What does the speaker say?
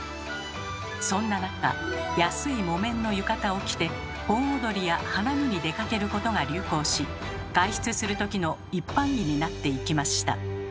そんな中安い木綿の浴衣を着て盆踊りや花見に出かけることが流行し外出するときの一般着になっていきました。